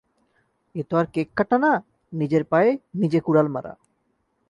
এ তো আর কেক কাটা না, নিজের পায়ে নিজে কুড়াল মারা।